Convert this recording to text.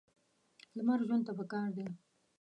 لمر ژوند ته پکار دی.